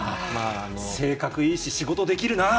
性格いいし、仕事できるな。